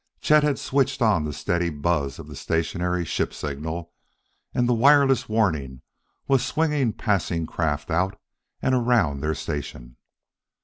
Chet had switched on the steady buzz of the stationary ship signal, and the wireless warning was swinging passing craft out and around their station.